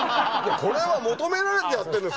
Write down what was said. これは求められてやってるんですからね。